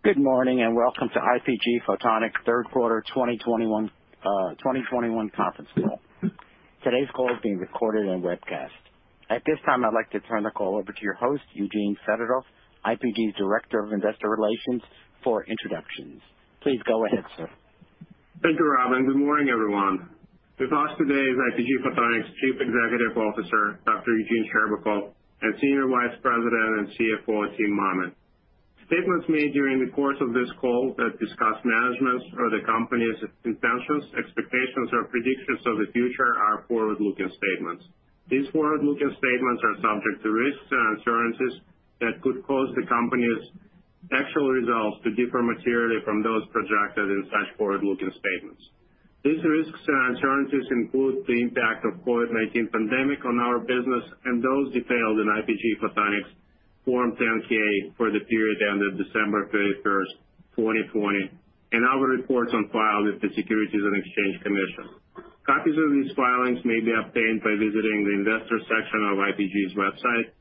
Good morning, and welcome to IPG Photonics Q3 2021 Conference Call. Today's call is being recorded and webcast. At this time, I'd like to turn the call over to your host, Eugene Fedotoff, IPG's Director of Investor Relations for introductions. Please go ahead, sir. Thank you, Robin. Good morning, everyone. With us today is IPG Photonics Chief Executive Officer, Dr. Eugene Scherbakov, and Senior Vice President and CFO, Timothy Mammen. Statements made during the course of this call that discuss management or the company's intentions, expectations or predictions of the future are forward-looking statements. These forward-looking statements are subject to risks and uncertainties that could cause the company's actual results to differ materially from those projected in such forward-looking statements. These risks and uncertainties include the impact of COVID-19 pandemic on our business and those detailed in IPG Photonics Form 10-K for the period ended December 31, 2020, and our reports on file with the Securities and Exchange Commission. Copies of these filings may be obtained by visiting the investor section of IPG's website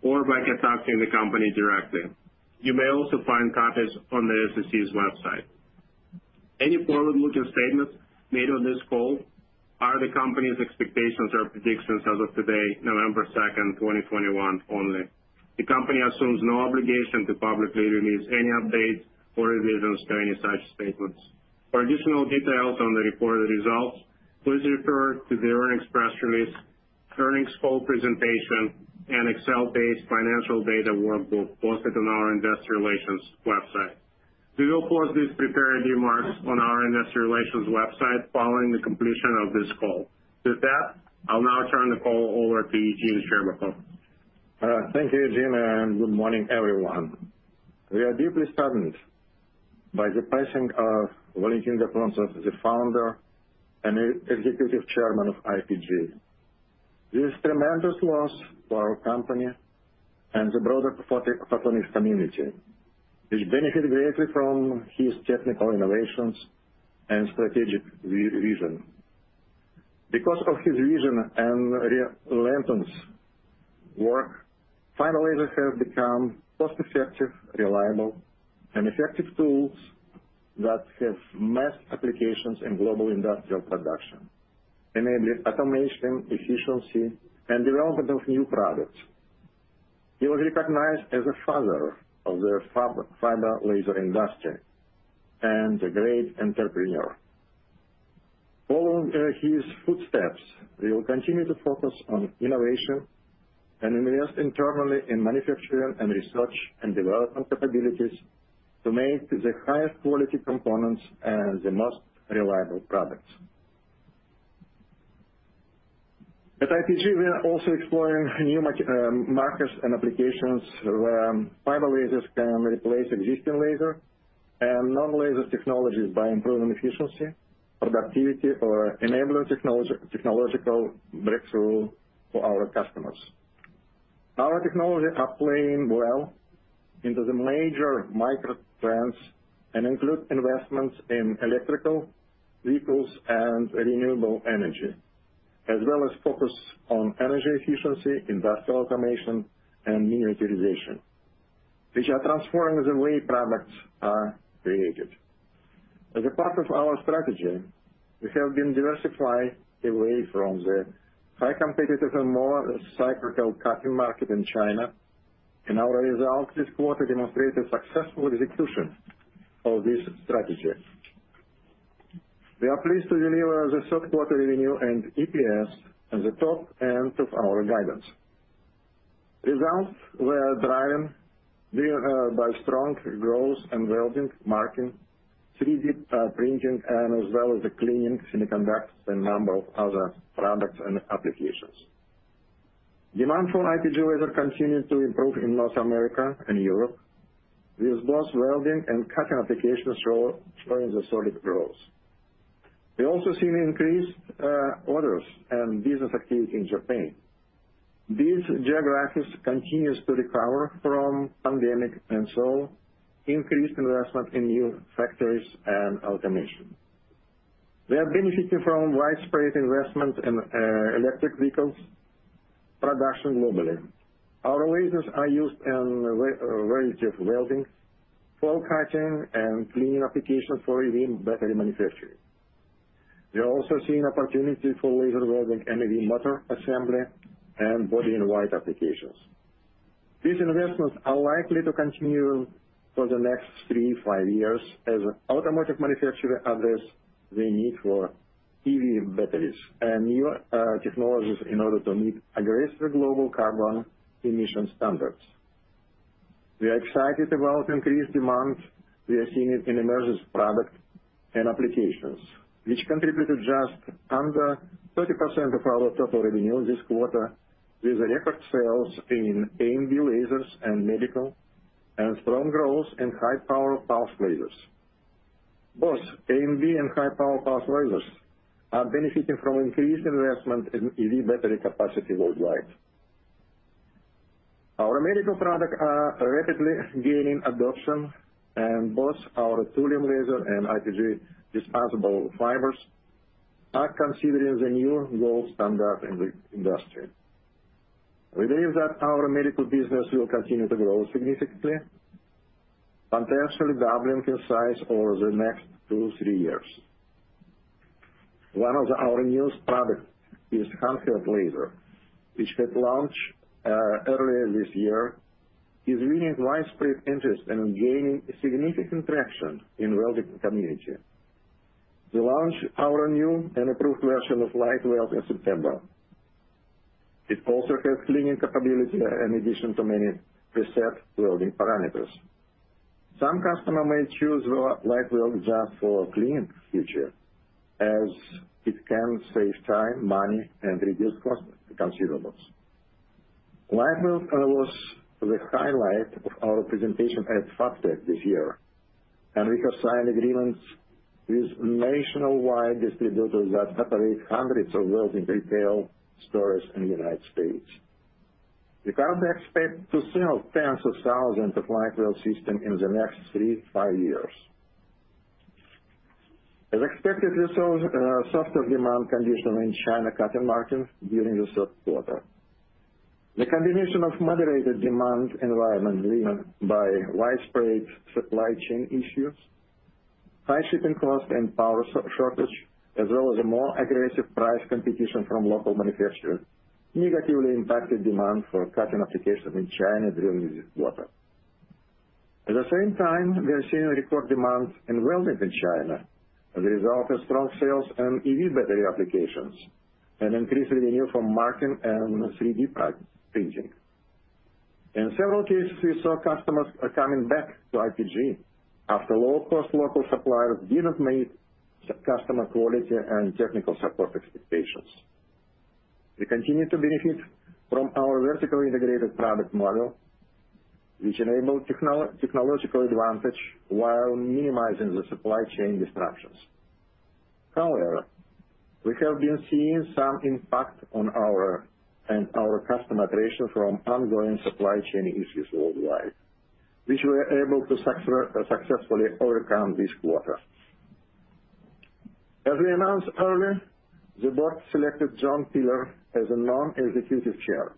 or by contacting the company directly. You may also find copies on the SEC's website. Any forward-looking statements made on this call are the company's expectations or predictions as of today, November 2, 2021 only. The company assumes no obligation to publicly release any updates or revisions to any such statements. For additional details on the reported results, please refer to the earnings press release, earnings call presentation and Excel-based financial data workbook posted on our Investor Relations website. We will post these prepared remarks on our investor relations website following the completion of this call. With that, I'll now turn the call over to Eugene Scherbakov. Thank you, Eugene, and good morning, everyone. We are deeply saddened by the passing of Valentin Gapontsev, the Founder and Executive Chairman of IPG. This tremendous loss to our company and the broader Photonics community, which benefited greatly from his technical innovations and strategic vision. Because of his vision and relentless work, fiber lasers have become cost-effective, reliable and effective tools that have mass applications in global industrial production, enabling automation, efficiency and development of new products. He was recognized as a father of the fiber laser industry and a great entrepreneur. Following his footsteps, we will continue to focus on innovation and invest internally in manufacturing and research and development capabilities to make the highest quality components and the most reliable products. At IPG, we are also exploring new markets and applications where fiber lasers can replace existing laser and non-laser technologies by improving efficiency, productivity or enabling technological breakthrough for our customers. Our technology is playing well into the major macro trends and include investments in electric vehicles and renewable energy, as well as focus on energy efficiency, industrial automation and miniaturization, which are transforming the way products are created. As a part of our strategy, we have been diversifying away from the highly competitive and more cyclical cutting market in China, and our results this quarter demonstrated successful execution of this strategy. We are pleased to deliver Q3 revenue and EPS at the top end of our guidance. Results were driven by strong growth in welding market, 3D printing and as well as the cleaning semiconductors and a number of other products and applications. Demand for IPG lasers continued to improve in North America and Europe, with both welding and cutting applications showing solid growth. We also saw increased orders and business activity in Japan. These geographies continue to recover from the pandemic, with increased investment in new factories and automation. We are benefiting from widespread investment in electric vehicle production globally. Our lasers are used in a variety of welding, foil cutting, and cleaning applications for EV battery manufacturing. We are also seeing opportunity for laser welding in EV motor assembly and body-in-white applications. These investments are likely to continue for the next three to five years as automotive manufacturers address the need for EV batteries and new technologies in order to meet aggressive global carbon emission standards. We are excited about increased demand. We are seeing it in emerging product and applications which contributed just under 30% of our total revenue this quarter, with record sales in AMB lasers and medical and strong growth in high power pulse lasers. Both AMB and high power pulse lasers are benefiting from increased investment in EV battery capacity worldwide. Our medical products are rapidly gaining adoption, and both our Thulium laser and IPG disposable fibers are considered the new gold standard in the industry. We believe that our medical business will continue to grow significantly, potentially doubling in size over the next two, three years. One of our newest products is handheld laser, which we launched earlier this year, is winning widespread interest and gaining significant traction in welding community. We launched our new and improved version of LightWELD in September. It also has cleaning capability in addition to many preset welding parameters. Some customers may choose LightWELD just for cleaning feature, as it can save time, money, and reduce cost of consumables. LightWELD was the highlight of our presentation at Fabtech this year, and we have signed agreements with nationwide distributors that penetrate hundreds of welding retail stores in the United States. We currently expect to sell tens of thousands of LightWELD systems in the next three to five years. As expected, we saw softer demand conditions in China cutting markets during the Q3. The combination of moderated demand environment, driven by widespread supply chain issues, high shipping costs, and power shortage, as well as a more aggressive price competition from local manufacturers, negatively impacted demand for cutting applications in China during this quarter. At the same time, we are seeing record demand in welding in China as a result of strong sales and EV battery applications, and increased revenue from marking and 3D printing. In several cases, we saw customers are coming back to IPG after low cost local suppliers didn't meet customer quality and technical support expectations. We continue to benefit from our vertically integrated product model, which enable technological advantage while minimizing the supply chain disruptions. However, we have been seeing some impact on our and our customer operations from ongoing supply chain issues worldwide, which we are able to successfully overcome this quarter. As we announced earlier, the board selected John Peeler as a non-executive chair.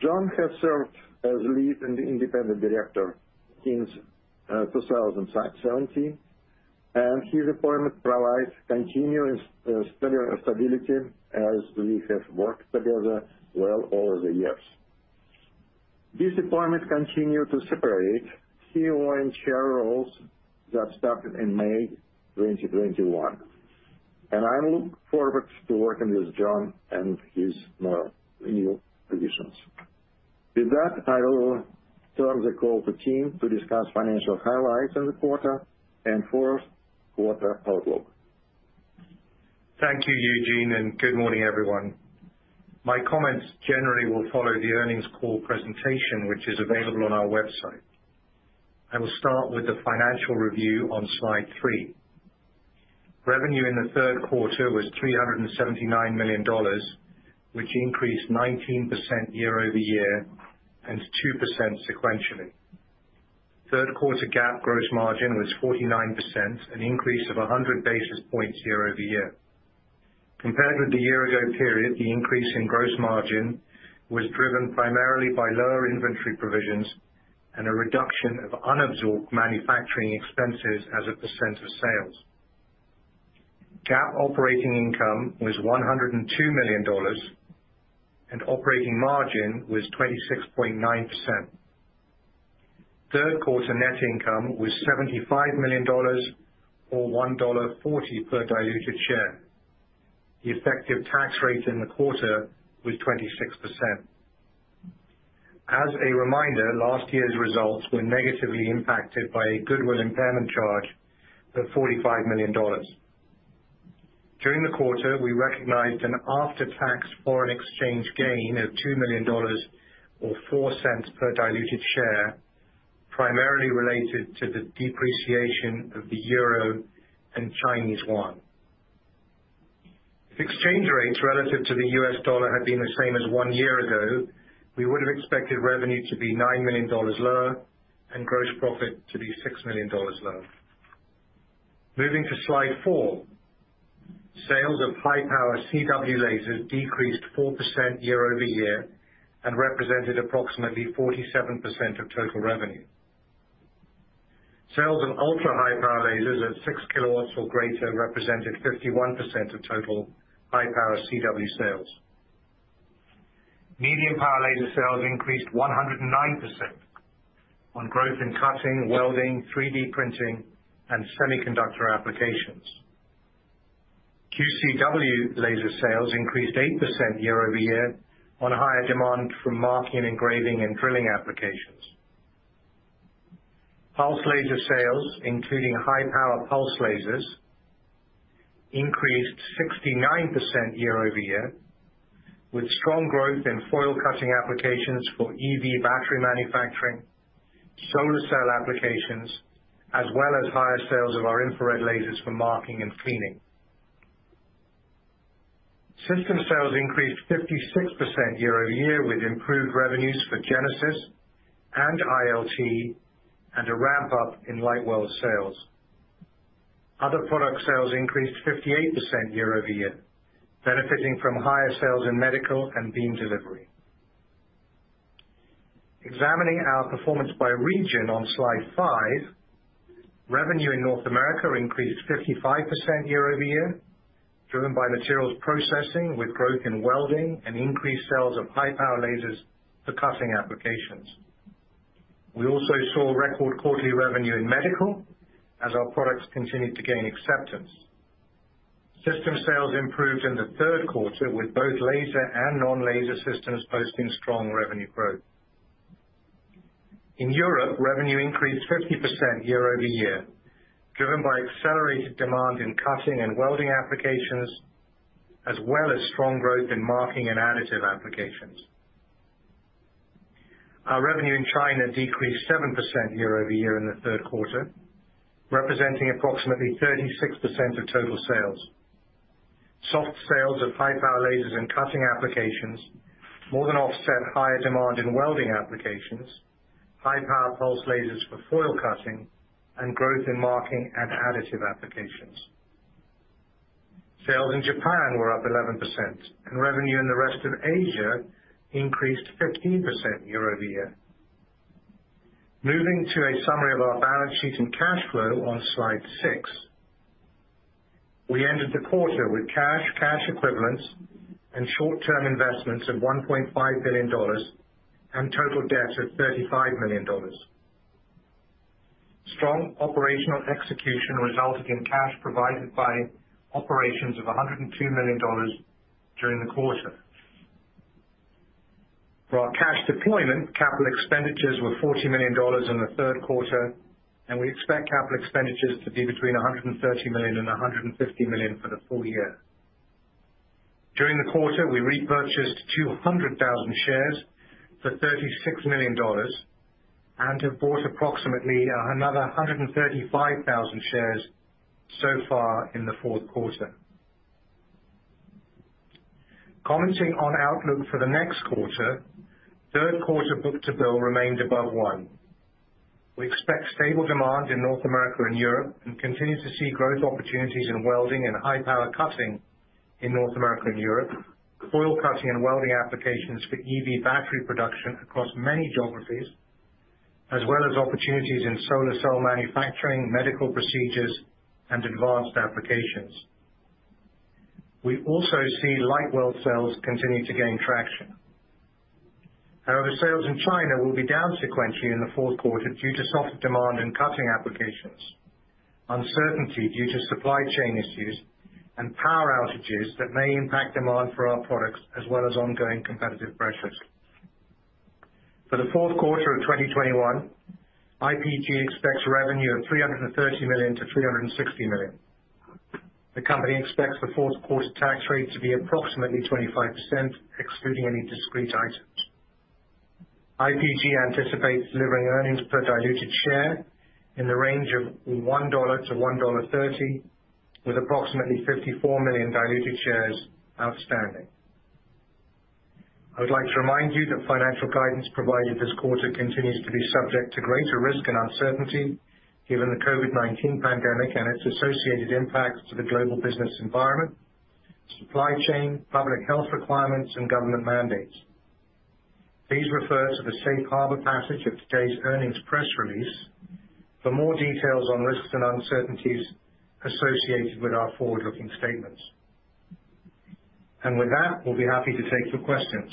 John has served as lead and independent director since 2017, and his appointment provides continuous stability as we have worked together well over the years. This appointment continue to separate CEO and Chair roles that started in May 2021, and I look forward to working with John and his new positions. With that, I will turn the call to Tim to discuss financial highlights of the quarter and Q4 outlook. Thank you, Eugene, and good morning, everyone. My comments generally will follow the earnings call presentation, which is available on our website. I will start with the financial review on slide three. Revenue in Q3 was $379 million, which increased 19% year-over-year and 2% sequentially. Q3 GAAP gross margin was 49%, an increase of 100 basis points year-over-year. Compared with the year ago period, the increase in gross margin was driven primarily by lower inventory provisions and a reduction of unabsorbed manufacturing expenses as a percent of sales. GAAP operating income was $102 million, and operating margin was 26.9%. Q3 net income was $75 million or 1.40 per diluted share. The effective tax rate in the quarter was 26%. As a reminder, last year's results were negatively impacted by a goodwill impairment charge of $45 million. During the quarter, we recognized an after-tax foreign exchange gain of $2 million or 0.04 per diluted share, primarily related to the depreciation of the euro and Chinese yuan. If exchange rates relative to the U.S. dollar had been the same as one year ago, we would have expected revenue to be $9 million lower and gross profit to be 6 million lower. Moving to slide four. Sales of high power CW lasers decreased 4% year-over-year and represented approximately 47% of total revenue. Sales of ultra-high power lasers at 6kW or greater represented 51% of total high power CW sales. Medium power laser sales increased 109% on growth in cutting, welding, 3D printing, and semiconductor applications. QCW laser sales increased 8% year-over-year on higher demand from marking, engraving, and drilling applications. Pulse laser sales, including high power pulse lasers, increased 69% year-over-year, with strong growth in foil cutting applications for EV battery manufacturing, solar cell applications, as well as higher sales of our infrared lasers for marking and cleaning. System sales increased 56% year-over-year, with improved revenues for Genesis and ILT and a ramp up in LightWELD sales. Other product sales increased 58% year-over-year, benefiting from higher sales in medical and beam delivery. Examining our performance by region on slide five, revenue in North America increased 55% year-over-year, driven by materials processing with growth in welding and increased sales of high power lasers for cutting applications. We also saw record quarterly revenue in medical as our products continued to gain acceptance. System sales improved in Q3 with both laser and non-laser systems posting strong revenue growth. In Europe, revenue increased 50% year-over-year, driven by accelerated demand in cutting and welding applications, as well as strong growth in marking and additive applications. Our revenue in China decreased 7% year-over-year in the Q3, representing approximately 36% of total sales. Soft sales of high power lasers and cutting applications more than offset higher demand in welding applications, high power pulse lasers for foil cutting and growth in marking and additive applications. Sales in Japan were up 11% and revenue in the rest of Asia increased 15% year-over-year. Moving to a summary of our balance sheet and cash flow on slide six. We ended the quarter with cash equivalents and short-term investments of $1.5 billion and total debt of 35 million. Strong operational execution resulted in cash provided by operations of $102 million during the quarter. For our cash deployment, capital expenditures were $40 million in Q3, and we expect capital expenditures to be between $130 and 150 million for the full year. During the quarter, we repurchased 200,000 shares for $36 million and have bought approximately another 135,000 shares so far in Q4. Commenting on outlook for the next quarter, Q3 book-to-bill remained above one. We expect stable demand in North America and Europe, and continue to see growth opportunities in welding and high power cutting in North America and Europe, foil cutting and welding applications for EV battery production across many geographies, as well as opportunities in solar cell manufacturing, medical procedures, and advanced applications. We also see LightWELD sales continue to gain traction. However, sales in China will be down sequentially in Q4 due to soft demand in cutting applications, uncertainty due to supply chain issues and power outages that may impact demand for our products as well as ongoing competitive pressures. For Q4 of 2021, IPG expects revenue of $330 million-$360 million. The company expects Q4 tax rate to be approximately 25%, excluding any discrete items. IPG anticipates delivering earnings per diluted share in the range of $1-1.30 with approximately 54 million diluted shares outstanding. I would like to remind you that financial guidance provided this quarter continues to be subject to greater risk and uncertainty given the COVID-19 pandemic and its associated impacts to the global business environment, supply chain, public health requirements and government mandates. Please refer to the safe harbor passage of today's earnings press release for more details on risks and uncertainties associated with our forward-looking statements. With that, we'll be happy to take your questions.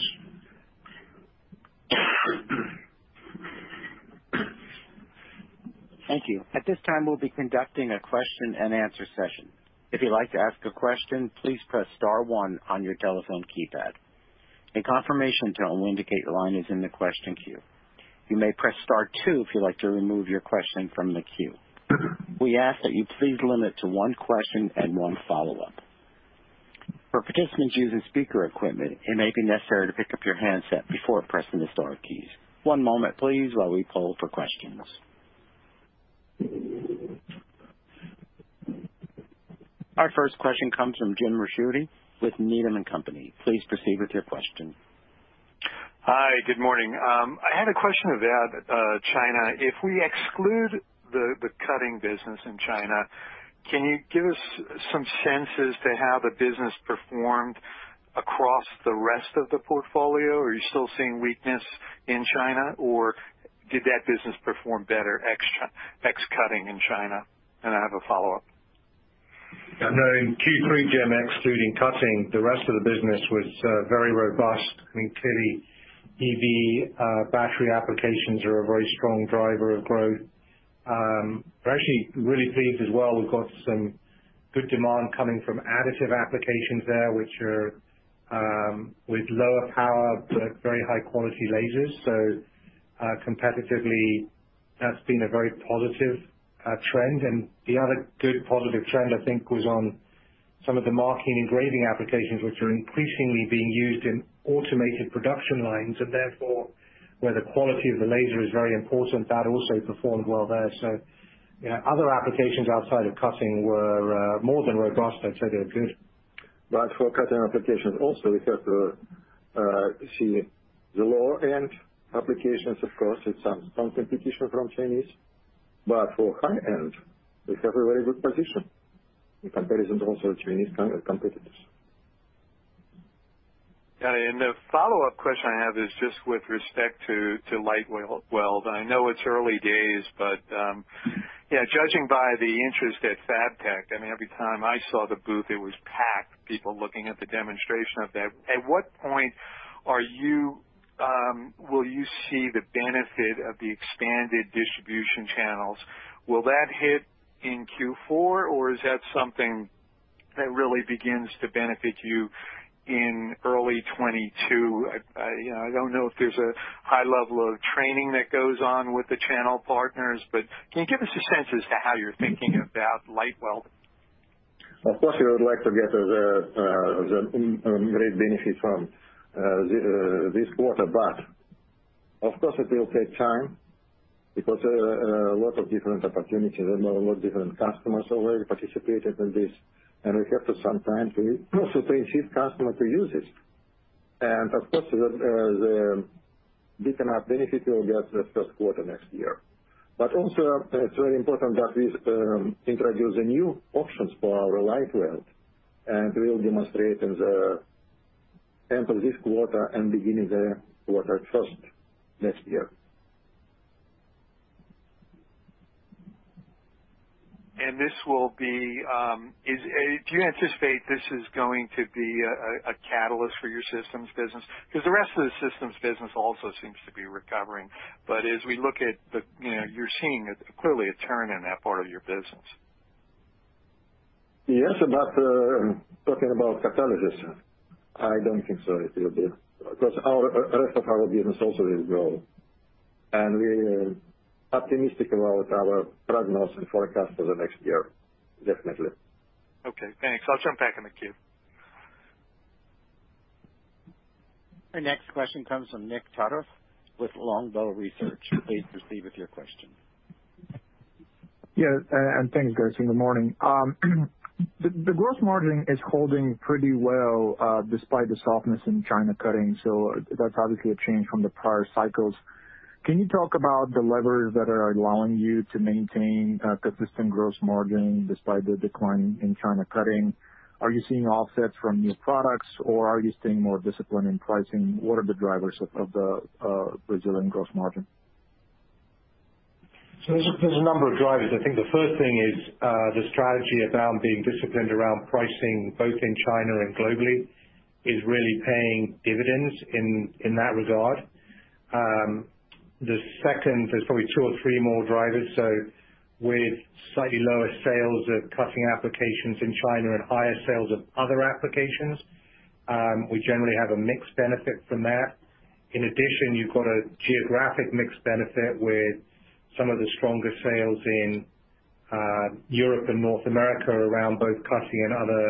Thank you. At this time, we'll be conducting a question and answer session. If you'd like to ask a question, please press star one on your telephone keypad. A confirmation tone will indicate your line is in the question queue. You may press star two if you'd like to remove your question from the queue. We ask that you please limit to one question and one follow-up. For participants using speaker equipment, it may be necessary to pick up your handset before pressing the star keys. One moment please while we poll for questions. Our first question comes from James Ricchiuti with Needham & Company. Please proceed with your question. Hi, good morning. I had a question about China. If we exclude the cutting business in China, can you give us some sense as to how the business performed across the rest of the portfolio? Are you still seeing weakness in China or did that business perform better ex-cutting in China? I have a follow-up. No, in Q3, James, excluding cutting, the rest of the business was very robust. I mean, clearly EV battery applications are a very strong driver of growth. We're actually really pleased as well. We've got some good demand coming from additive applications there, which are with lower power but very high quality lasers. Competitively, that's been a very positive trend. The other good positive trend I think was on some of the marking engraving applications which are increasingly being used in automated production lines and therefore where the quality of the laser is very important. That also performed well there. Yeah, other applications outside of cutting were more than robust. I'd say they're good. For cutting applications also we have to see the lower end applications. Of course, it's some competition from Chinese, but for high-end, we have a very good position in comparison to also Chinese competitors. Yeah. The follow-up question I have is just with respect to LightWELD. I know it's early days, but yeah, judging by the interest at Fabtech, I mean, every time I saw the booth, it was packed, people looking at the demonstration of that. At what point will you see the benefit of the expanded distribution channels? Will that hit in Q4? Or is that something that really begins to benefit you in early 2022? You know, I don't know if there's a high level of training that goes on with the channel partners, but can you give us a sense as to how you're thinking about LightWELD? Of course, we would like to get the great benefit from this quarter, but of course it will take time because there are a lot of different opportunities and a lot of different customers already participated in this, and we have to sometimes also train each customer to use it. Of course, the bigger benefit we'll get Q1 next year. Also it's very important that we introduce the new options for our LightWELD, and we'll demonstrate in the end of this quarter and beginning Q1 next year. Do you anticipate this is going to be a catalyst for your systems business? Because the rest of the systems business also seems to be recovering. As we look at the, you know, you're seeing clearly a turn in that part of your business. Yes, talking about catalysts, I don't think so it will be. Because our rest of our business also is growing, and we are optimistic about our prognosis and forecast for the next year, definitely. Okay, thanks. I'll jump back in the queue. Our next question comes from Nikolay Todorov with Longbow Research. Please proceed with your question. Yeah, thanks, guys. Good morning. The gross margin is holding pretty well, despite the softness in China cutting. That's obviously a change from the prior cycles. Can you talk about the levers that are allowing you to maintain consistent gross margin despite the decline in China cutting? Are you seeing offsets from new products, or are you seeing more discipline in pricing? What are the drivers of the resilient gross margin? There's a number of drivers. I think the first thing is the strategy around being disciplined around pricing both in China and globally is really paying dividends in that regard. The second, there's probably two or three more drivers. With slightly lower sales of cutting applications in China and higher sales of other applications, we generally have a mixed benefit from that. In addition, you've got a geographic mixed benefit with some of the stronger sales in Europe and North America around both cutting and other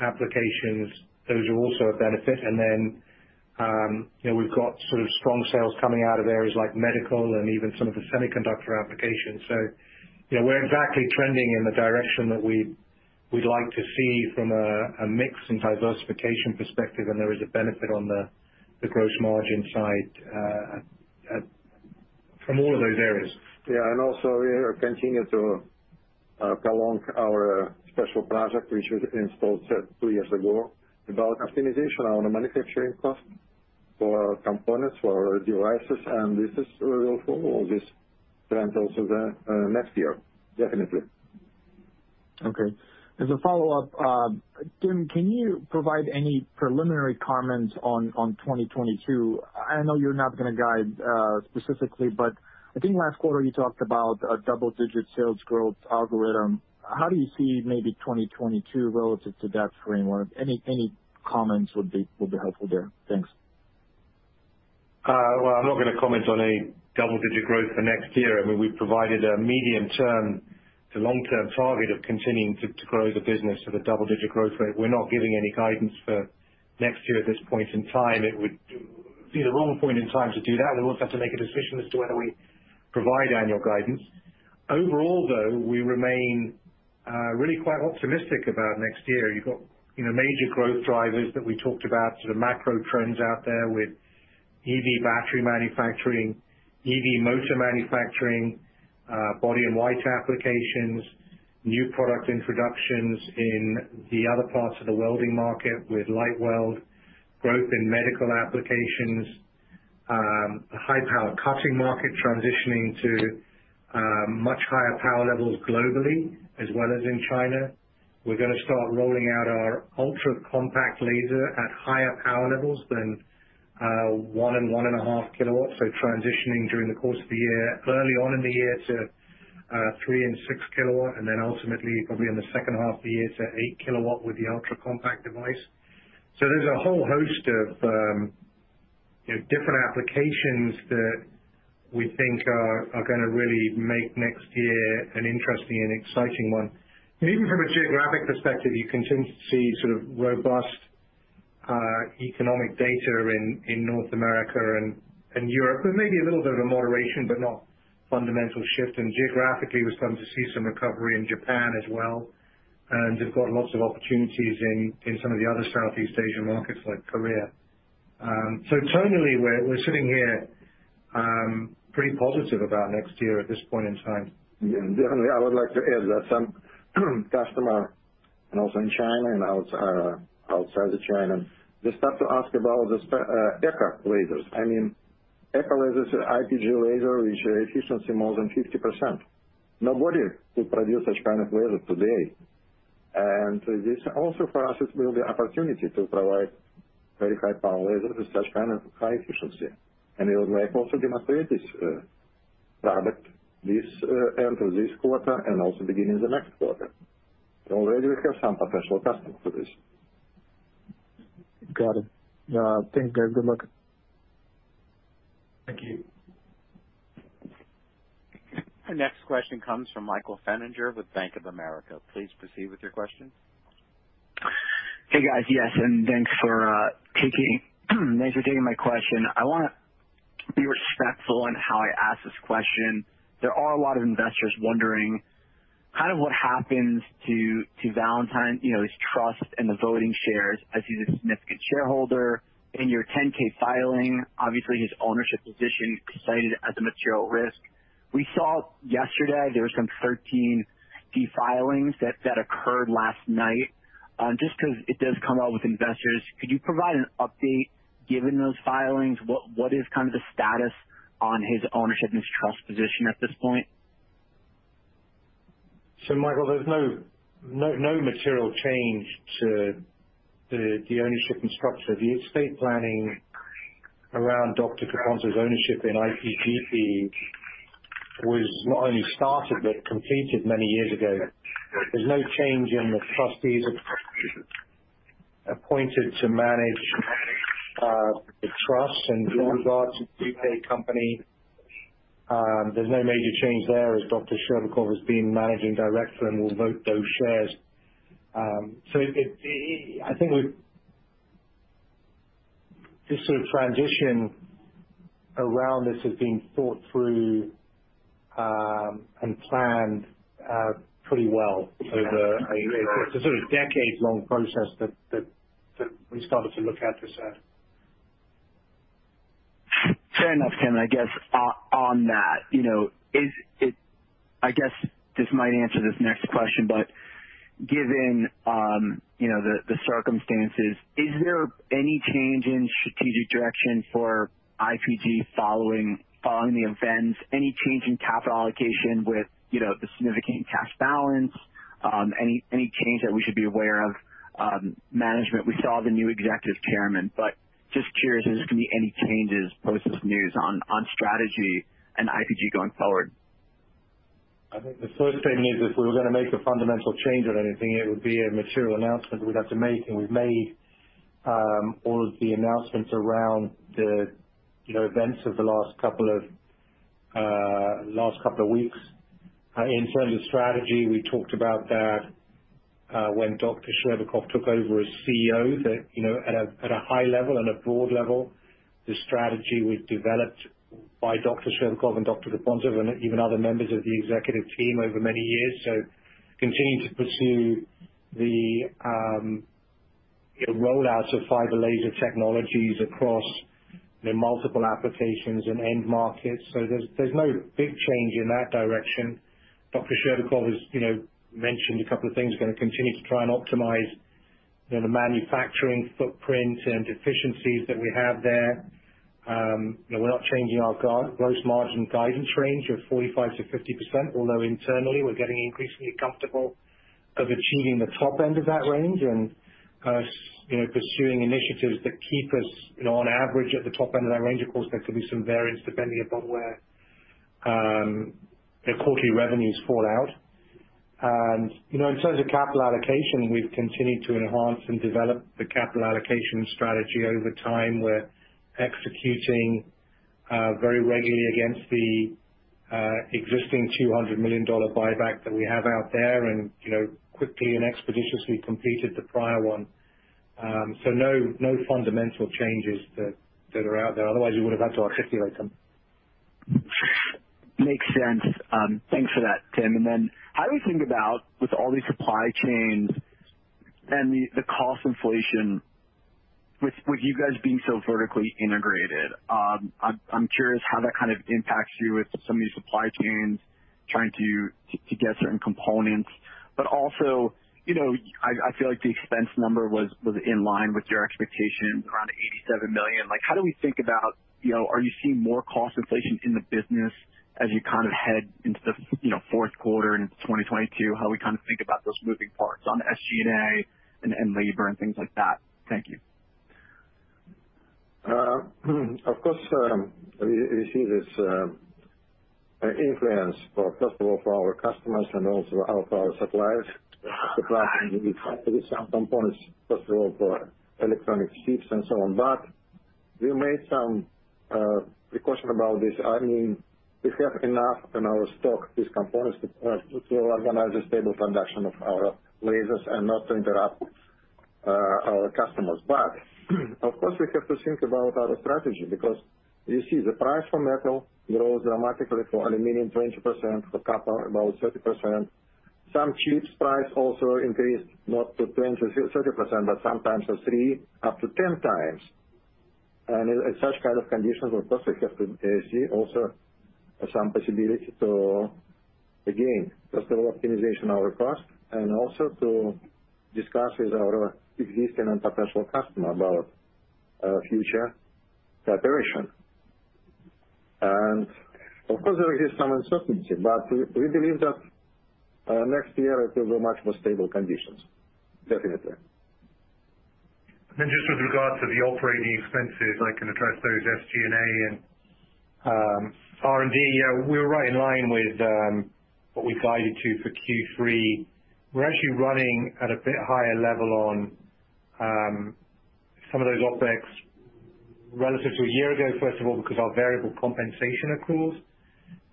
applications. Those are also a benefit. You know, we've got sort of strong sales coming out of areas like medical and even some of the semiconductor applications. You know, we're exactly trending in the direction that we'd like to see from a mix and diversification perspective, and there is a benefit on the gross margin side from all of those areas. Yeah. Also we are continuing to prolong our special project, which was installed two years ago about optimization on the manufacturing cost for our components, for our devices. We'll follow this trend also the next year, definitely. Okay. As a follow-up, Tim, can you provide any preliminary comments on 2022? I know you're not gonna guide specifically, but I think last quarter you talked about a double-digit sales growth algorithm. How do you see maybe 2022 relative to that framework? Any comments would be helpful there. Thanks. Well, I'm not gonna comment on a double-digit growth for next year. I mean, we've provided a medium-term to long-term target of continuing to grow the business at a double-digit growth rate. We're not giving any guidance for next year at this point in time. It would be the wrong point in time to do that. We also have to make a decision as to whether we provide annual guidance. Overall, though, we remain really quite optimistic about next year. You've got, you know, major growth drivers that we talked about, sort of macro trends out there with EV battery manufacturing, EV motor manufacturing, body-in-white applications, new product introductions in the other parts of the welding market with LightWELD, growth in medical applications, high power cutting market transitioning to much higher power levels globally as well as in China. We're gonna start rolling out our ultra-compact laser at higher power levels than 1 and 1.5kW, so transitioning during the course of the year, early on in the year to 3 and 6kW, and then ultimately probably in the second half of the year to 8kW with the ultra-compact device. There's a whole host of you know different applications that we think are gonna really make next year an interesting and exciting one. Even from a geographic perspective, you continue to see sort of robust economic data in North America and Europe. There may be a little bit of a moderation, but not fundamental shift. Geographically, we're starting to see some recovery in Japan as well, and they've got lots of opportunities in some of the other Southeast Asian markets like Korea. We're sitting here pretty positive about next year at this point in time. Yeah. Definitely, I would like to add that some customer and also in China and outside China, they start to ask about the ECO lasers. I mean, ECO lasers are IPG laser, which efficiency more than 50%. Nobody could produce such kind of laser today. This also for us, this will be opportunity to provide very high power laser with such kind of high efficiency. We would like also demonstrate this product this end of this quarter and also beginning the next quarter. Already we have some potential customers for this. Got it. Thanks, guys. Good luck. Thank you. The next question comes from Michael Feniger with Bank of America. Please proceed with your question. Hey, guys. Thanks for taking my question. I wanna be respectful in how I ask this question. There are a lot of investors wondering kind of what happens to Valentin, you know, his trust and the voting shares as he's a significant shareholder. In your 10-K filing, obviously his ownership position is cited as a material risk. We saw yesterday there were some 13-D filings that occurred last night. Just 'cause it does come out with investors, could you provide an update given those filings, what is kind of the status on his ownership and his trust position at this point? Michael, there's no material change to the ownership and structure. The estate planning around Valentin Gapontsev's ownership in IPGP was not only started but completed many years ago. There's no change in the trustees appointed to manage the trust. With regards to U.K. company, there's no major change there as Eugene Scherbakov has been managing director and will vote those shares. This sort of transition around this has been thought through and planned pretty well over a sort of decade-long process that we started to look at this at. Fair enough, Tim. I guess this might answer this next question, but given, you know, the circumstances, is there any change in strategic direction for IPG following the events? Any change in capital allocation with, you know, the significant cash balance? Any change that we should be aware of, management? We saw the new Executive Chairman. Just curious if there's gonna be any changes post this news on strategy and IPG going forward. I think the first thing is if we were gonna make a fundamental change on anything, it would be a material announcement we'd have to make, and we've made all of the announcements around the, you know, events of the last couple of weeks. In terms of strategy, we talked about that when Eugene Scherbakov took over as CEO, that, you know, at a high level and a broad level, the strategy was developed by Eugene Scherbakov and Valentin Gapontsev and even other members of the executive team over many years. Continuing to pursue the, you know, rollouts of fiber laser technologies across the multiple applications and end markets. There's no big change in that direction. Eugene Scherbakov has, you know, mentioned a couple of things. We're gonna continue to try and optimize, you know, the manufacturing footprint and efficiencies that we have there. You know, we're not changing our gross margin guidance range of 45%-50%, although internally, we're getting increasingly comfortable of achieving the top end of that range and kind of you know, pursuing initiatives that keep us, you know, on average at the top end of that range. Of course, there could be some variance depending upon where the quarterly revenues fall out. You know, in terms of capital allocation, we've continued to enhance and develop the capital allocation strategy over time. We're executing very regularly against the existing $200 million buyback that we have out there and, you know, quickly and expeditiously completed the prior one. No fundamental changes that are out there. Otherwise we would've had to articulate them. Makes sense. Thanks for that, Tim. How do we think about with all these supply chains and the cost inflation with you guys being so vertically integrated, I'm curious how that kind of impacts you with some of these supply chains trying to get certain components, but also, you know, I feel like the expense number was in line with your expectation around $87 million. Like, how do we think about, you know, are you seeing more cost inflation in the business as you kind of head into the, you know, Q4 into 2022? How we kind of think about those moving parts on SG&A and labor and things like that. Thank you. Of course, we see this influence, first of all, for our customers and also out for our suppliers. Some components, first of all, for electronic chips and so on. We made some precaution about this. I mean, we have enough in our stock, these components to organize a stable production of our lasers and not to interrupt our customers. Of course, we have to think about our strategy because you see the price for metal grows dramatically for aluminum, 20%, for copper, about 30%. Some chips price also increased, not to 10%-30%, but sometimes to three, up to 10x. In such kind of conditions, of course, we have to see also some possibility to again, first of all, optimization our cost and also to discuss with our existing and potential customer about, future cooperation. Of course, there is some uncertainty, but we believe that, next year it will be much more stable conditions. Definitely. Just with regard to the operating expenses, I can address those SG&A and R&D. Yeah, we're right in line with what we guided to for Q3. We're actually running at a bit higher level on some of those OpEx relative to a year ago, first of all, because our variable compensation accruals,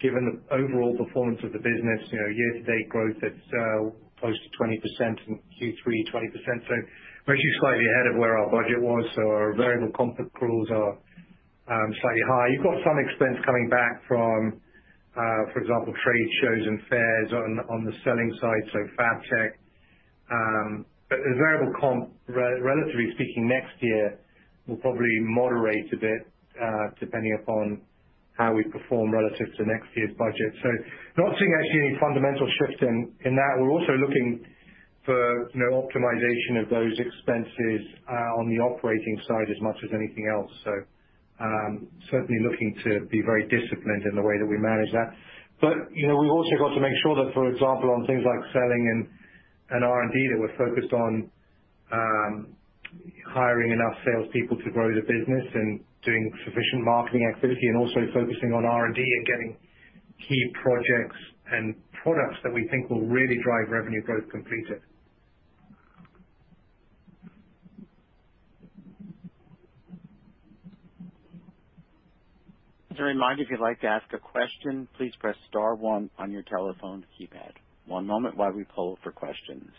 given the overall performance of the business, you know, year-to-date growth that's close to 20% and Q3, 20%. So we're actually slightly ahead of where our budget was. So our variable comp accruals are slightly high. You've got some expense coming back from, for example, trade shows and fairs on the selling side, so Fabtech. But the variable comp, relatively speaking, next year will probably moderate a bit, depending upon how we perform relative to next year's budget. Not seeing actually any fundamental shift in that. We're also looking for, you know, optimization of those expenses on the operating side as much as anything else. Certainly looking to be very disciplined in the way that we manage that. You know, we've also got to make sure that, for example, on things like selling and R&D, that we're focused on hiring enough salespeople to grow the business and doing sufficient marketing activity and also focusing on R&D and getting key projects and products that we think will really drive revenue growth completed. As a reminder, if you'd like to ask a question, please press star one on your telephone keypad. One moment while we poll for questions.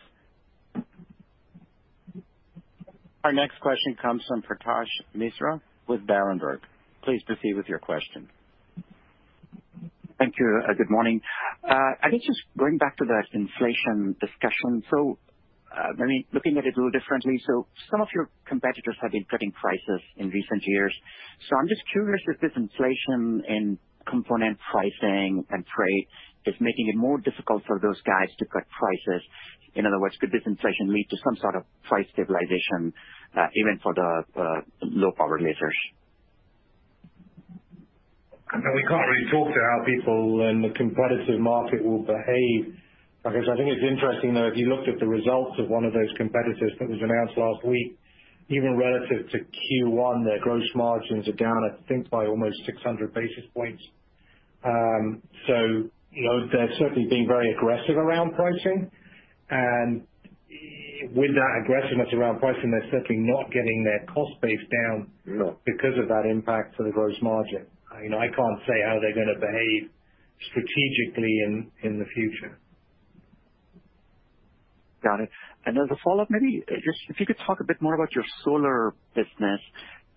Our next question comes from Paretosh Misra with Berenberg. Please proceed with your question. Thank you. Good morning. I think just going back to that inflation discussion. Maybe looking at it a little differently. Some of your competitors have been cutting prices in recent years. I'm just curious if this inflation in component pricing and freight is making it more difficult for those guys to cut prices. In other words, could this inflation lead to some sort of price stabilization, even for the low-power lasers? We can't really talk to how people in the competitive market will behave. I guess, I think it's interesting, though, if you looked at the results of one of those competitors that was announced last week, even relative to Q1, their gross margins are down, I think, by almost 600 basis points. So, you know, they're certainly being very aggressive around pricing. With that aggressiveness around pricing, they're certainly not getting their cost base down. Because of that impact to the gross margin. I mean, I can't say how they're gonna behave strategically in the future. Got it. As a follow-up, maybe just if you could talk a bit more about your solar business.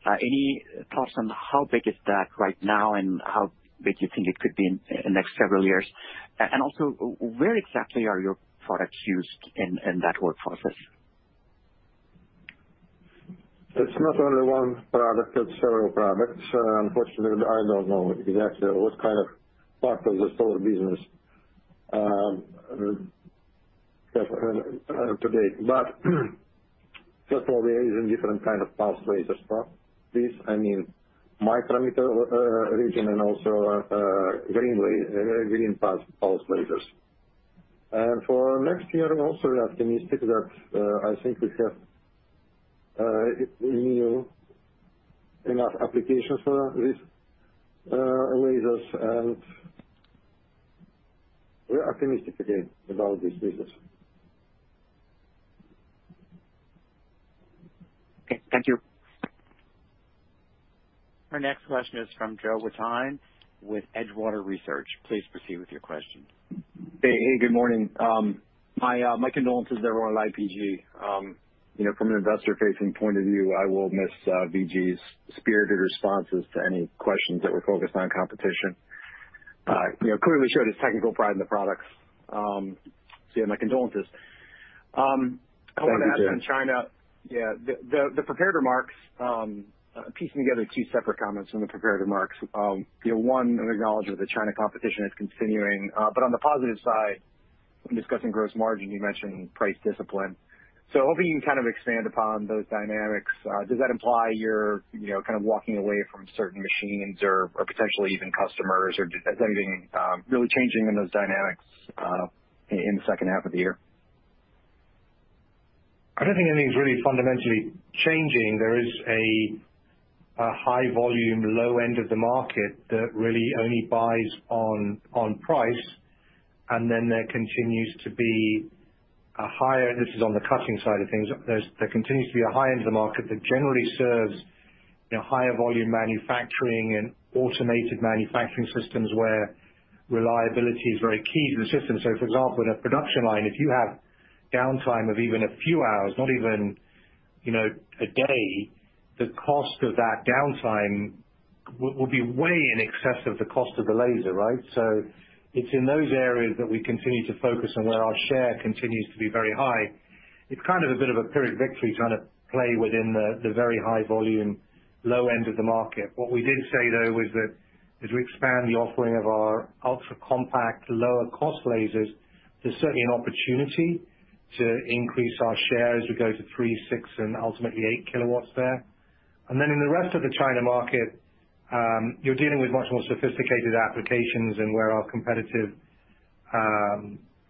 Any thoughts on how big is that right now and how big you think it could be in the next several years? Where exactly are your products used in that work process? It's not only one product, it's several products. Unfortunately, I don't know exactly what kind of part of the solar business to date. First of all, there are different kinds of pulse lasers. This, I mean, micrometer region and also green pulse lasers. For next year, I'm also optimistic that I think we have new applications for these lasers. We're optimistic again about this business. Okay. Thank you. Our next question is from Joe Wittine with Edgewater Research. Please proceed with your question. Hey. Hey, good morning. My condolences everyone at IPG. You know, from an investor-facing point of view, I will miss VG's spirited responses to any questions that were focused on competition. You know, clearly showed his technical pride in the products. Yeah, my condolences. I want to ask on China. Thank you, Joe. The prepared remarks, piecing together two separate comments from the prepared remarks. You know, one, an acknowledgement that China competition is continuing. On the positive side, when discussing gross margin, you mentioned price discipline. Hoping you can kind of expand upon those dynamics. Does that imply you're, you know, kind of walking away from certain machines or potentially even customers? Or is anything really changing in those dynamics in the second half of the year? I don't think anything's really fundamentally changing. There is a high volume, low end of the market that really only buys on price. This is on the cutting side of things. There's a high end of the market that generally serves, you know, higher volume manufacturing and automated manufacturing systems where reliability is very key to the system. For example, in a production line, if you have downtime of even a few hours, not even, you know, a day, the cost of that downtime will be way in excess of the cost of the laser, right? It's in those areas that we continue to focus on where our share continues to be very high. It's kind of a bit of a Pyrrhic victory trying to play within the very high volume, low end of the market. What we did say, though, was that as we expand the offering of our ultra-compact, lower cost lasers, there's certainly an opportunity to increase our share as we go to three, six and ultimately 8kW there. In the rest of the China market, you're dealing with much more sophisticated applications and where our competitive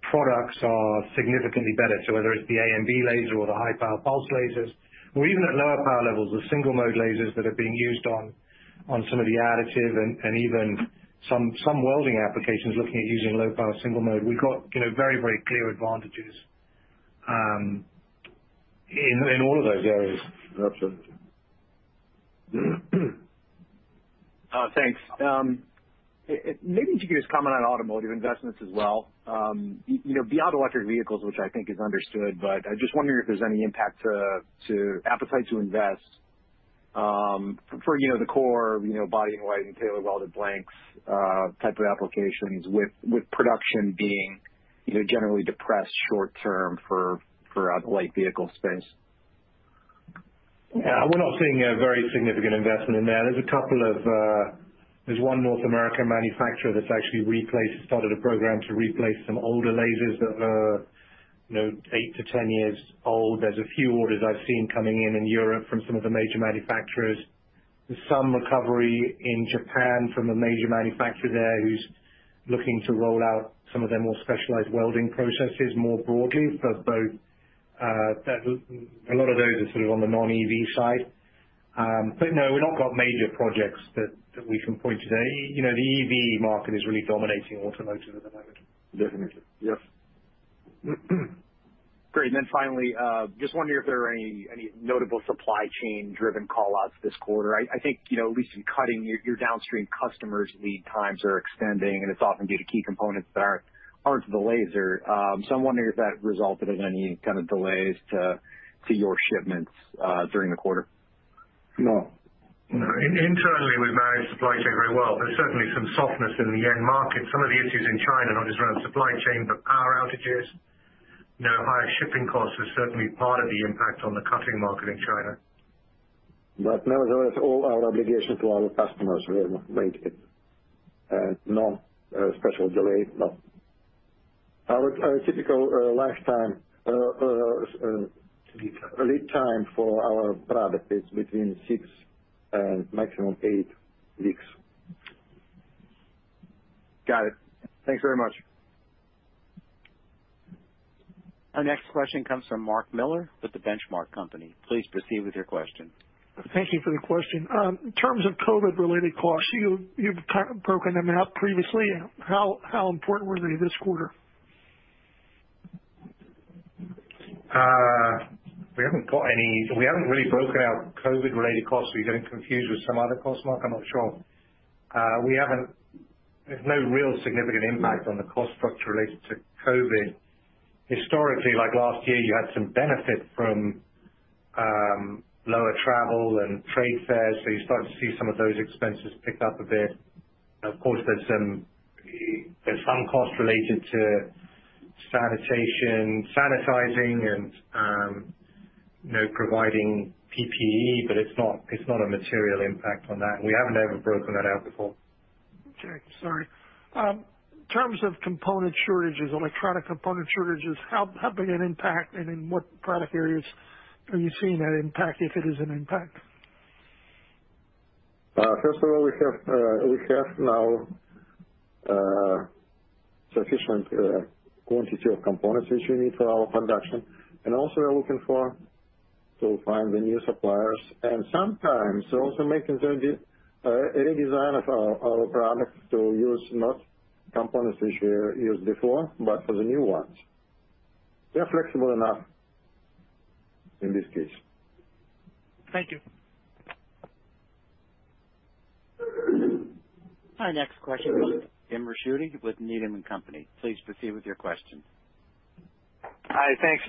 products are significantly better. Whether it's the AMB laser or the high power pulse lasers or even at lower power levels, the single mode lasers that are being used on some of the additive and even some welding applications looking at using low power single mode. We've got you know very clear advantages in all of those areas. Absolutely. Thanks. Maybe if you could just comment on automotive investments as well. You know, beyond electric vehicles, which I think is understood, but I'm just wondering if there's any impact to appetite to invest for you know the core you know body-in-white and tailor-welded blanks type of applications with production being you know generally depressed short term for light vehicle space. Yeah, we're not seeing a very significant investment in there. There's a couple of. There's one North American manufacturer that's actually started a program to replace some older lasers that are eight to 10 years old. There's a few orders I've seen coming in in Europe from some of the major manufacturers. There's some recovery in Japan from a major manufacturer there who's looking to roll out some of their more specialized welding processes more broadly. Both, a lot of those are sort of on the non-EV side. But no, we've not got major projects that we can point to there. You know, the EV market is really dominating automotive at the moment. Definitely. Yes. Great. Finally, just wondering if there are any notable supply chain driven call-outs this quarter. I think, you know, at least in cutting your downstream customers, lead times are extending and it's often due to key components that aren't the laser. So I'm wondering if that resulted in any kind of delays to your shipments during the quarter. No. No. Internally, we've managed supply chain very well. There's certainly some softness in the end market. Some of the issues in China, not just around supply chain, but power outages. You know, higher shipping costs are certainly part of the impact on the cutting market in China. Nevertheless, all our obligations to our customers were met, and no special delay. No. Our typical lead time for our product is between six and maximum eight weeks. Got it. Thanks very much. Our next question comes from Mark Miller with The Benchmark Company. Please proceed with your question. Thank you for the question. In terms of COVID-related costs, you've kind of broken them out previously. How important were they this quarter? We haven't really broken out COVID related costs. Are you getting confused with some other cost, Mark? I'm not sure. There's no real significant impact on the cost structure related to COVID. Historically, like last year, you had some benefit from lower travel and trade fairs, so you're starting to see some of those expenses pick up a bit. Of course, there's some cost related to sanitation, sanitizing and, you know, providing PPE, but it's not a material impact on that. We haven't ever broken that out before. Okay, sorry. In terms of component shortages, electronic component shortages, how big an impact and in what product areas are you seeing that impact, if it is an impact? First of all, we have now sufficient quantity of components which we need for our production. Also we are looking for to find the new suppliers. Sometimes also making certain a redesign of our products to use not components which we used before, but for the new ones. We are flexible enough in this case. Thank you. Our next question comes from James Ricchiuti with Needham & Company. Please proceed with your question. Hi. Thanks.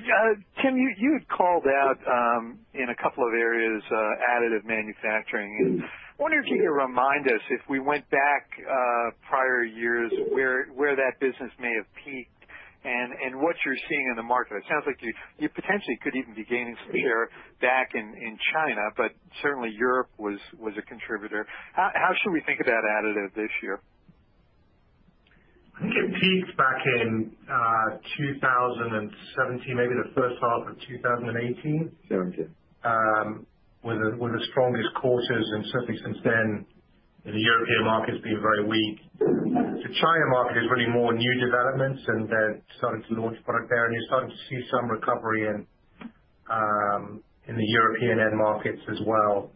Tim, you had called out in a couple of areas, additive manufacturing. I wondered if you could remind us, if we went back prior years, where that business may have peaked and what you're seeing in the market. It sounds like you potentially could even be gaining some share back in China, but certainly Europe was a contributor. How should we think about additive this year? I think it peaked back in 2017, maybe the first half of 2018. 2017. were the strongest quarters. Certainly since then, the European market has been very weak. The China market is really more new developments and they're starting to launch product there, and you're starting to see some recovery in the European end markets as well.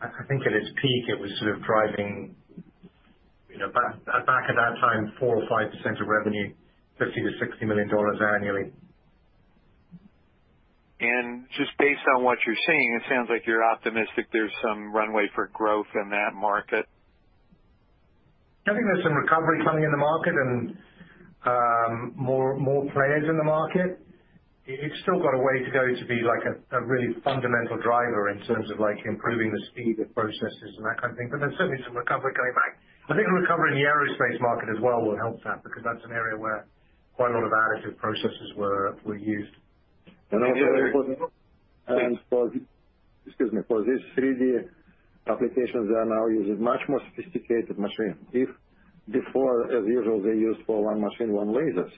I think at its peak it was sort of driving, you know, back at that time, 4% or 5% of revenue, $50-60 million annually. Just based on what you're seeing, it sounds like you're optimistic there's some runway for growth in that market. I think there's some recovery coming in the market and more players in the market. It's still got a way to go to be like a really fundamental driver in terms of like improving the speed of processes and that kind of thing. There's certainly some recovery coming back. I think the recovery in the aerospace market as well will help that, because that's an area where quite a lot of additive processes were used. Also very important... Thanks. Excuse me. For these 3D applications, they are now using much more sophisticated machine. If before, as usual, they use for one machine, one lasers.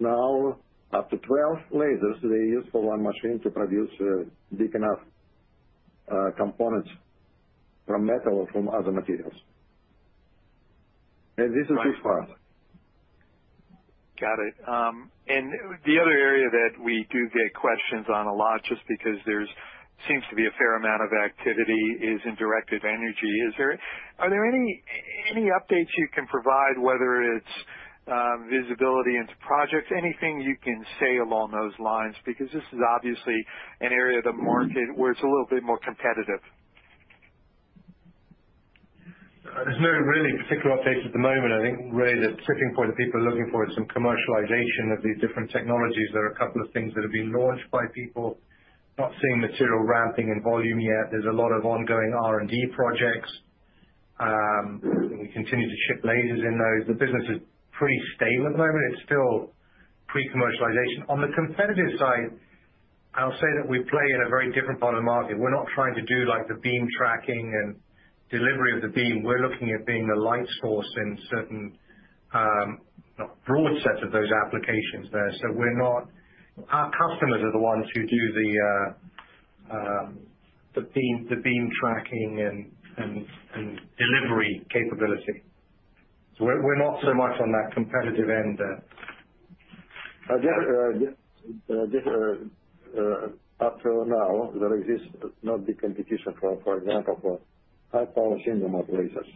Now, up to 12 lasers, they use for one machine to produce big enough components from metal or from other materials. This is good for us. Got it. The other area that we do get questions on a lot, just because there seems to be a fair amount of activity, is in directed energy. Is there any updates you can provide, whether it's visibility into projects, anything you can say along those lines? Because this is obviously an area of the market where it's a little bit more competitive. There's no really particular updates at the moment. I think really the tipping point of people are looking for is some commercialization of these different technologies. There are a couple of things that have been launched by people. Not seeing material ramping in volume yet. There's a lot of ongoing R&D projects. We continue to ship lasers in those. The business is pretty stable at the moment. It's still pre-commercialization. On the competitive side, I'll say that we play in a very different part of the market. We're not trying to do like the beam tracking and delivery of the beam. We're looking at being the light source in certain broad sets of those applications there. We're not. Our customers are the ones who do the beam tracking and delivery capability. We're not so much on that competitive end. Up to now, there exists not big competition, for example, for high-power single mode lasers.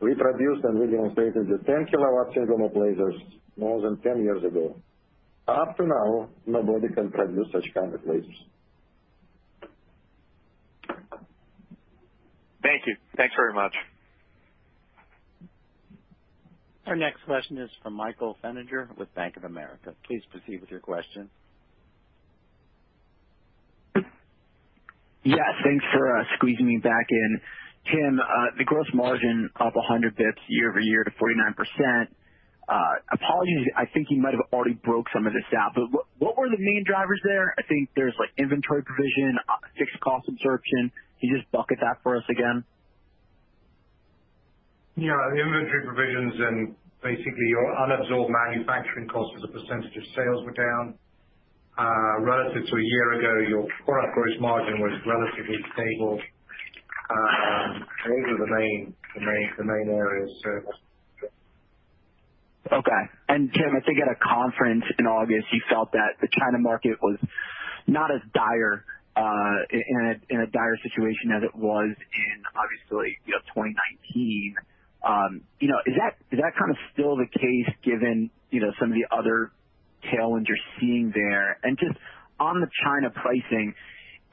We produced and we demonstrated the 10kW single mode lasers more than 10 years ago. Up to now, nobody can produce such kind of lasers. Thank you. Thanks very much. Our next question is from Michael Feniger with Bank of America. Please proceed with your question. Yes, thanks for squeezing me back in. Tim, the gross margin up 100 basis points year-over-year to 49%. Apologies, I think you might have already broke some of this out, but what were the main drivers there? I think there's like inventory provision, fixed cost absorption. Can you just bucket that for us again? Yeah. The inventory provisions and basically your unabsorbed manufacturing costs as a percentage of sales were down, relative to a year ago, your core gross margin was relatively stable. Those were the main areas. Okay. Tim, I think at a conference in August, you felt that the China market was not as dire a situation as it was in obviously, you know, 2019. You know, is that kind of still the case given, you know, some of the other tailwinds you're seeing there? Just on the China pricing,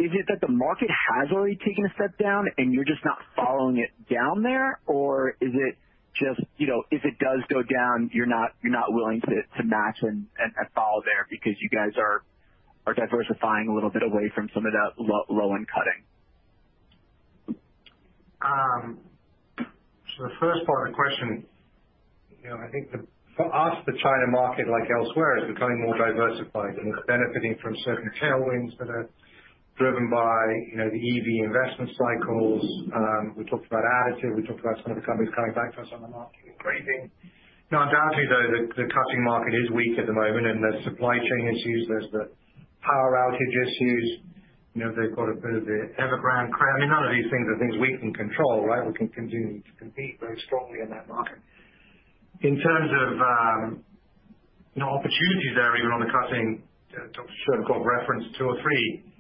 is it that the market has already taken a step down and you're just not following it down there? Or is it just, you know, if it does go down, you're not willing to match and follow there because you guys are diversifying a little bit away from some of the low-end cutting? The first part of the question, you know, I think for us, the China market, like elsewhere, is becoming more diversified and it's benefiting from certain tailwinds that are driven by, you know, the EV investment cycles. We talked about additive. We talked about some of the companies coming back to us on the marketing briefing. No, undoubtedly though, the cutting market is weak at the moment and there's supply chain issues, there's the power outage issues. You know, they've got a bit of the Evergrande cramp. I mean, none of these things are things we can control, right? We can continue to compete very strongly in that market. In terms of, you know, opportunities there, even on the cutting, I'm sure I've got referenced two or three.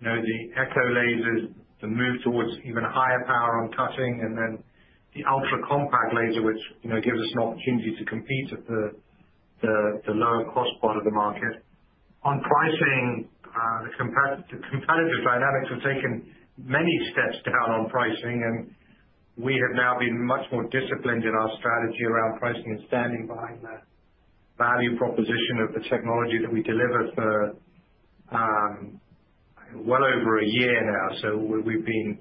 You know, the ECO lasers, the move towards even higher power on cutting, and then the ultra-compact laser, which, you know, gives us an opportunity to compete at the lower cost part of the market. On pricing, the competitive dynamics have taken many steps down on pricing, and we have now been much more disciplined in our strategy around pricing and standing behind the value proposition of the technology that we deliver for well over a year now. We've been.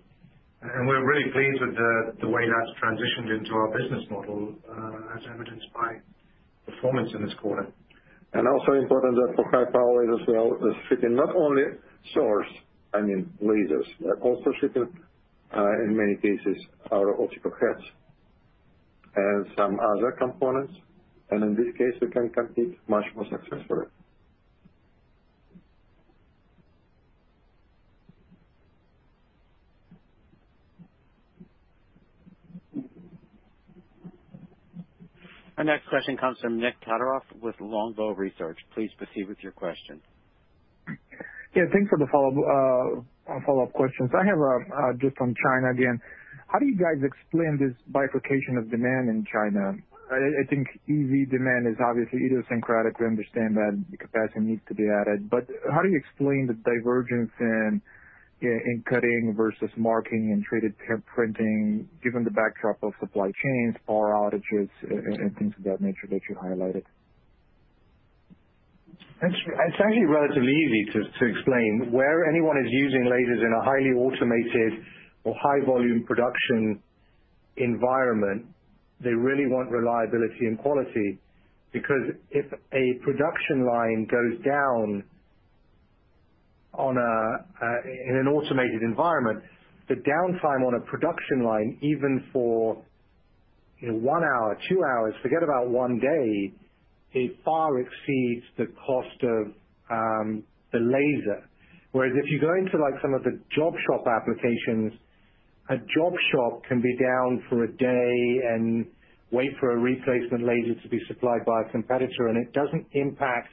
We're really pleased with the way that's transitioned into our business model, as evidenced by performance in this quarter. Also important that for high power as well, we're shipping not only sources, I mean, lasers. We are also shipping in many cases, our optical heads and some other components. In this case, we can compete much more successfully. Our next question comes from Nikolay Todorov with Longbow Research. Please proceed with your question. Yeah, thanks for the follow-up questions. I have just from China again. How do you guys explain this bifurcation of demand in China? I think EV demand is obviously idiosyncratic. We understand that the capacity needs to be added. How do you explain the divergence in cutting versus marking and 3D printing given the backdrop of supply chains, power outages, and things of that nature that you highlighted? It's actually relatively easy to explain. Where anyone is using lasers in a highly automated or high volume production environment, they really want reliability and quality. Because if a production line goes down in an automated environment, the downtime on a production line, even for one hour, two hours, forget about one day, it far exceeds the cost of the laser. Whereas if you go into, like, some of the job shop applications, a job shop can be down for a day and wait for a replacement laser to be supplied by a competitor, and it doesn't impact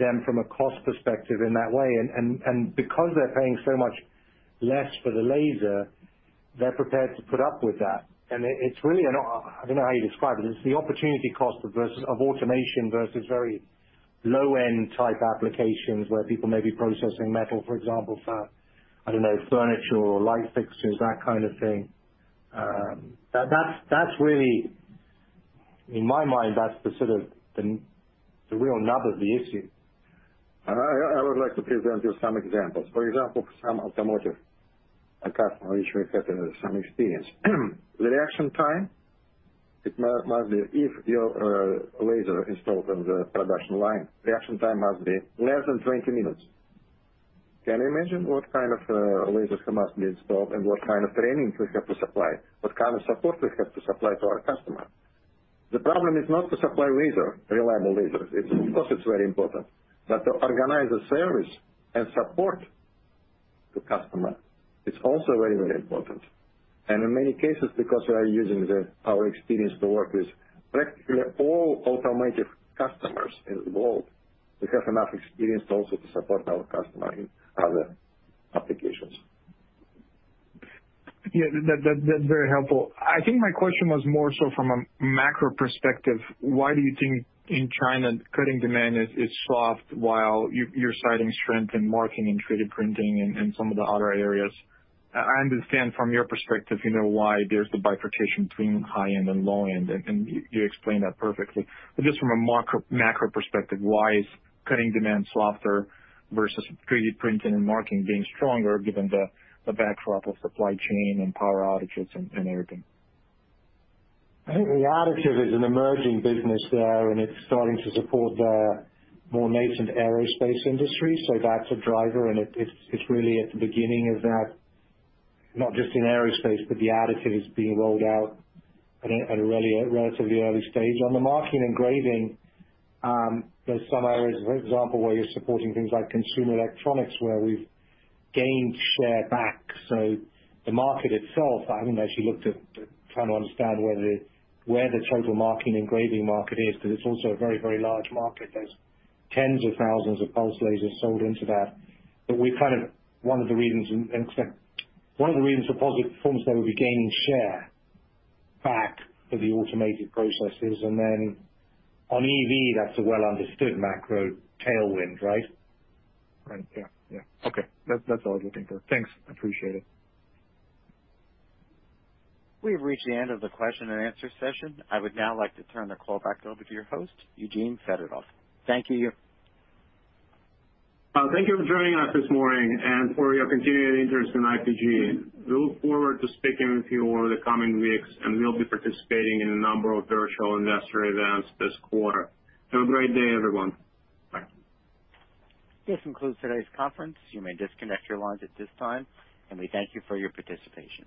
them from a cost perspective in that way. Because they're paying so much less for the laser, they're prepared to put up with that. It's really an, I don't know how you describe it. It's the opportunity cost of automation versus very low-end type applications where people may be processing metal, for example, I don't know, furniture or light fixtures, that kind of thing. That's really. In my mind, that's the sort of the real nub of the issue. I would like to present you some examples. For example, some automotive customer which we have some experience. The reaction time, it must be if your laser is installed on the production line, reaction time must be less than 20 minutes. Can you imagine what kind of laser must be installed and what kind of training we have to supply, what kind of support we have to supply to our customer? The problem is not to supply laser, reliable lasers. It's of course, it's very important. But to organize the service and support the customer, it's also very, very important. In many cases, because we are using our experience to work with practically all automotive customers in the world, we have enough experience also to support our customer in other applications. Yeah, that's very helpful. I think my question was more so from a macro perspective. Why do you think in China, cutting demand is soft while you're citing strength in marking and 3D printing and some of the other areas? I understand from your perspective, you know, why there's the bifurcation between high end and low end, and you explained that perfectly. But just from a macro perspective, why is cutting demand softer versus 3D printing and marking being stronger given the backdrop of supply chain and power outages and everything? I think the additive is an emerging business there, and it's starting to support the more nascent aerospace industry. That's a driver, and it's really at the beginning of that, not just in aerospace, but the additive is being rolled out at a really relatively early stage. On the marking and engraving, there's some areas, for example, where you're supporting things like consumer electronics, where we've gained share back. The market itself, I haven't actually looked at to try to understand where the total marking and engraving market is, 'cause it's also a very, very large market. There's tens of thousands of pulse lasers sold into that. One of the reasons for positive performance there would be gaining share back for the automated processes. On EV, that's a well understood macro tailwind, right? Right. Yeah, yeah. Okay. That's all I was looking for. Thanks. I appreciate it. We have reached the end of the question and answer session. I would now like to turn the call back over to your host, Eugene Fedotoff. Thank you, Eugene. Thank you for joining us this morning and for your continued interest in IPG. We look forward to speaking with you over the coming weeks, and we'll be participating in a number of virtual investor events this quarter. Have a great day, everyone. Bye. This concludes today's conference. You may disconnect your lines at this time, and we thank you for your participation.